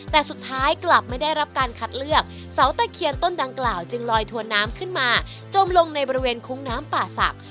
แต่สุดท้ายกลับไม่ได้รับการคัดเลือกเสาตะเคียนต้นดังกล่าวจึงลอยถวนน้ำขึ้นมาจมลงในบริเวณคุ้งน้ำป่าศักดิ